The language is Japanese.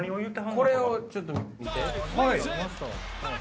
これをちょっと見て。